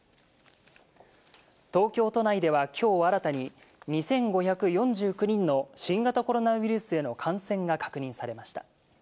東京都内ではきょう新たに２５４９人の新型コロナウイルスへの感染が確認されました。